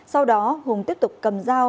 sau đó hùng tiếp tục cầm giao